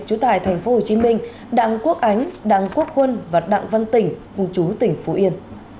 chú tài tp hcm đặng quốc ánh đặng quốc huân và đặng văn tỉnh vùng chú tỉnh phú yên